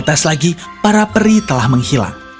lantas lagi para peri telah menghilang